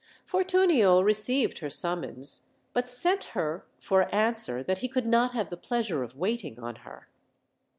Fortunio received her summons, but sent her for an swer that he could not have the pleasure of waiting on her.